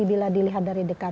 bila dilihat dari dekat